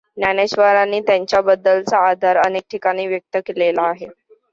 ज्ञानेश्वरांनी त्यांच्याबद्दलचा आदर अनेक ठिकाणी व्यक्त केलेला आहे.